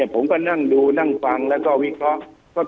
ผมก็นั่งดูนั่งฟังแล้วก็วิเคราะห์